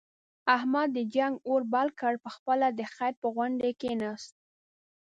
احمد د جنگ اور بل کړ، په خپله د خیر په غونډۍ کېناست.